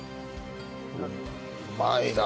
うまいな。